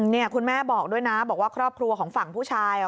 เนี่ยคุณแม่บอกด้วยนะบอกว่าครอบครัวของฝั่งผู้ชาย